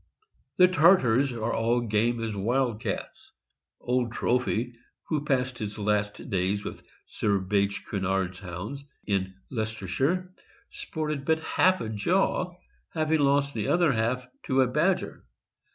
The Tartars are all game as wildcats. Old Trophy, who passed his last days with Sir Bache Cunard's Hounds, in Leicestershire, sported but half a jaw, having lost the other half to a badger.